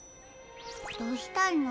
どうしたの？